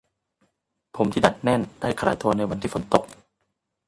ผมที่ดัดแน่นได้คลายตัวในวันที่ฝนตก